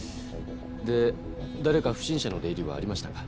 で誰か不審者の出入りはありましたか？